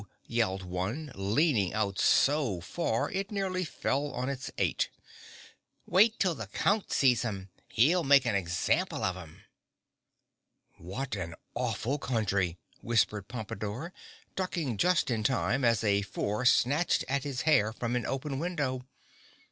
yelled one, leaning out so far it nearly fell on its Eight. "Wait till the Count sees 'em. He'll make an example of 'em!" "What an awful country," whispered Pompadore, ducking just in time, as a Four snatched at his hair from an open window.